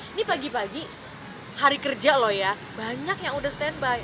ini pagi pagi hari kerja loh ya banyak yang udah standby